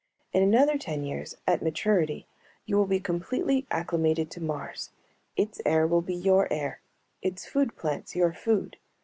"In another ten years, at maturity, you will be completely acclimated to Mars. Its air will be your air; its food plants your food.